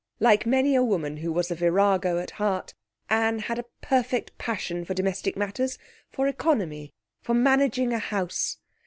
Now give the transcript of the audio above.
Like many a woman who was a virago at heart, Anne had a perfect passion for domestic matters, for economy, for managing a house.